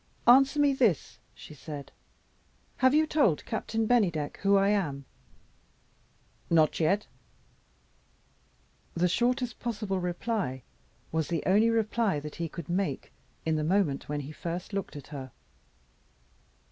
"Answer me this," she said "have you told Captain Bennydeck who I am?" "Not yet." The shortest possible reply was the only reply that he could make, in the moment when he first looked at her.